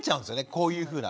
こういうふうな。